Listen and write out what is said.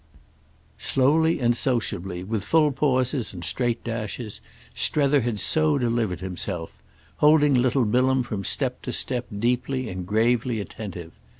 ... Slowly and sociably, with full pauses and straight dashes, Strether had so delivered himself; holding little Bilham from step to step deeply and gravely attentive.